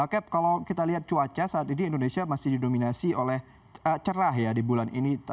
cap kalau kita lihat cuaca saat ini indonesia masih didominasi oleh cerah ya di bulan ini